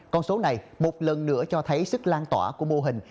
con số này một lần nữa cho thấy sức lan tỏa của mô hình